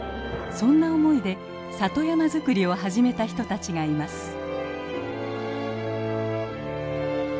そんな思いで里山づくりを始めた人たちがいます。